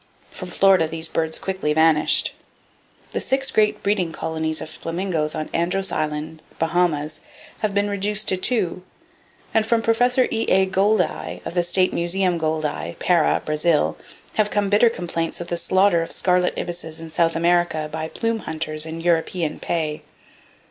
From Florida these birds quickly vanished. The six great breeding colonies of Flamingoes on Andros Island, Bahamas, have been reduced to two, and from Prof. E.A. Goeldi, of the State Museum Goeldi, Para, Brazil, have come bitter complaints of the slaughter of scarlet ibises in South America by plume hunters in European pay.